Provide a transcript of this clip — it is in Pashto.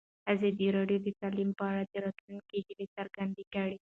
ازادي راډیو د تعلیم په اړه د راتلونکي هیلې څرګندې کړې.